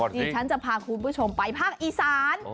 ดิฉันจะพาคุณผู้ชมไปภาคอีสาน